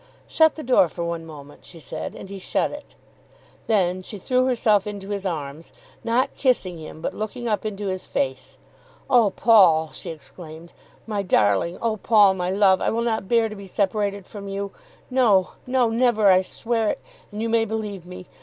"Shut the door for one moment," she said; and he shut it. Then she threw herself into his arms, not kissing him but looking up into his face. "Oh Paul," she exclaimed, "my darling! Oh Paul, my love! I will not bear to be separated from you. No, no; never. I swear it, and you may believe me.